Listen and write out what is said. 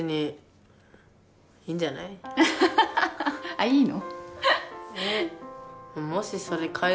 あっいいの？